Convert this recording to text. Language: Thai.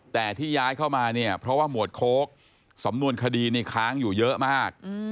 แต่ที่ย้ายเข้ามาเนี่ยเพราะว่าหมวดโค้กสำนวนคดีนี้ค้างอยู่เยอะมาก